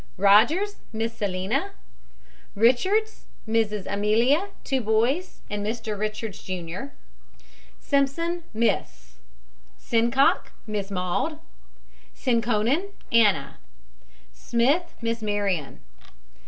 ROGERS, MISS SELINA. RICHARDS, MRS. EMILIA, two boys, and MR. RICHARDS, JR. SIMPSON, MISS. SINCOCK, MISS MAUDE. SINKKONNEN, ANNA. SMITH, MISS MARION.